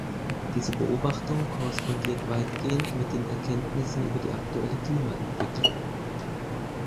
Diese Beobachtung korrespondiert weitgehend mit den Erkenntnissen über die aktuelle Klimaentwicklung.